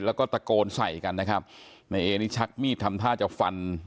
แล้วก็ตะโกนใส่กันนะครับนายเอนี่ชักมีดทำท่าจะฟัน